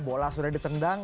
bola sudah ditendang